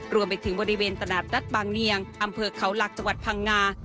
รวมไปถึงบริเวณตลาดนัดบางเนียงอำเภอเขาหลักจังหวัดพังงา